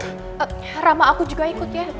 kak rama aku juga ikut ya